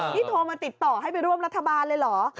นี่โทรมาติดต่อให้ไปร่วมรัฐบาลเลยเหรอ